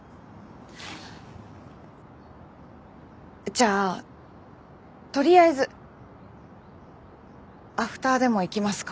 じゃあとりあえずアフターでも行きますか。